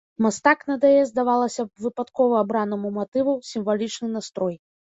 Мастак надае здавалася б выпадкова абранаму матыву сімвалічны настрой.